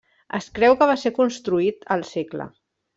Es creu que va ser construït al segle.